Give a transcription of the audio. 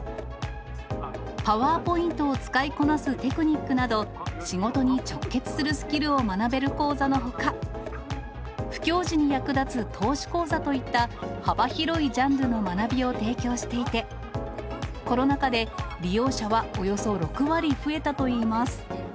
パワーポイントを使いこなすテクニックなど、仕事に直結するスキルを学べる講座のほか、不況時に役立つ投資講座といった、幅広いジャンルの学びを提供していて、コロナ禍で利用者はおよそ６割増えたといいます。